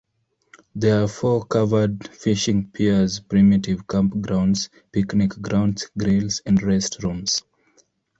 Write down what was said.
There are four covered fishing piers, primitive campgrounds, picnic grounds, grills and rest rooms.